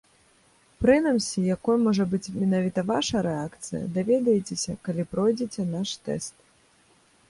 Прынамсі, якой можа быць менавіта ваша рэакцыя, даведаецеся, калі пройдзеце наш тэст.